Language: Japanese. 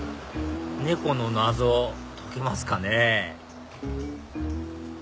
猫の謎解けますかね？